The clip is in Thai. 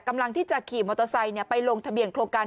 กำลังที่จะขี่มอเตอร์ไซค์ไปลงทะเบียนโครงการ